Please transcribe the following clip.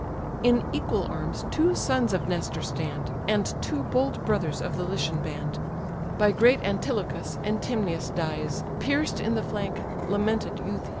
In equal arms two sons of Nestor stand, And two bold brothers of the Lycian band: By great Antilochus, Atymnius dies, Pierced in the flank, lamented youth!